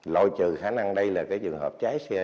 lôi trừ khả năng đây là cái dường hợp trái xe